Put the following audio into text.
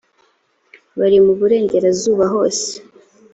bari mu burengerazuba hose.